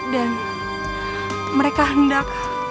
dan mereka hendak